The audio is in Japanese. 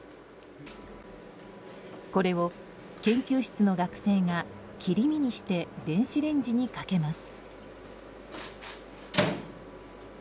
これを研究室の学生が切り身にして電子レンジにかけます。